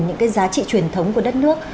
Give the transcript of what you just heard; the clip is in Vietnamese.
những cái giá trị truyền thống của đất nước